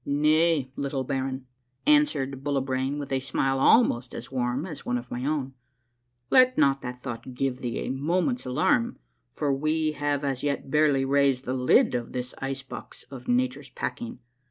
" "Nay, little baron," answered Bullibrain with a smile almost as warm as one of my own ;" let not that thought give thee a moment's alarm, for we have as yet barely raised the lid of this ice box of nature's packing.